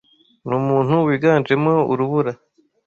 Numuntu wiganjemo urubura,